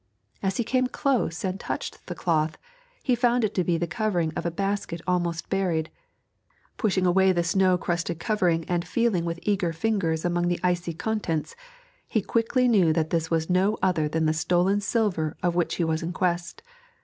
As he came close and touched the cloth he found it to be the covering of a basket almost buried; pushing away the snow crusted covering and feeling with eager fingers among the icy contents, he quickly knew that this was no other than the stolen silver of which he was in quest.